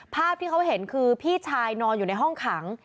ภาพที่เขาเห็นคือพี่ชายนอนอยู่ในห้องขัง